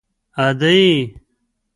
_ادې!!!